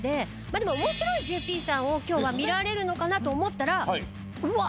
面白いＪＰさんを今日は見られるのかなと思ったらうわっ！